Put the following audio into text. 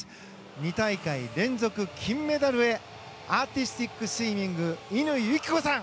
２大会連続金メダルへアーティスティックスイミング乾友紀子さん。